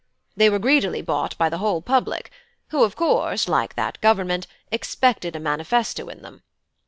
They were greedily bought by the whole public, who, of course, like the Government, expected a manifesto in them.